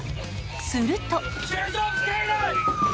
すると。